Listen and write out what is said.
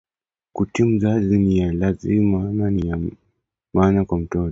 Kutii mzazi niya lazima na ya maana kwa mtoto